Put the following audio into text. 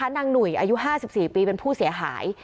หนุ่ยอายุ๕๔ปีเป็นผู้เสียหาย